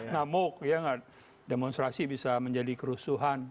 namok ya gak demonstrasi bisa menjadi kerusuhan